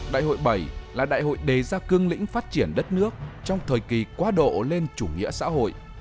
đại hội bảy là đại hội đề ra cương lĩnh phát triển đất nước trong thời kỳ quá độ lên chủ nghĩa xã hội